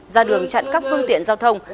ra đường chặn các phương tiện giao thông